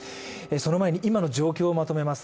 その前に今の状況をまとめます。